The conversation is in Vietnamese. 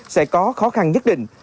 sẽ có khó khăn nhất định